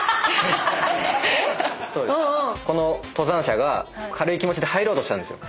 この登山者が軽い気持ちで入ろうとしたんです。